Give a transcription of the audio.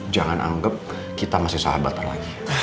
jangan anggap kita masih sahabat lagi